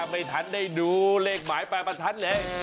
ไม่ทันได้ดูเลขหมายปลายประทัดเลย